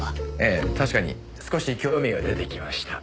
ええ確かに少し興味が出てきました。